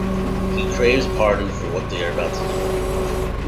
He craves pardon for what they are about to do.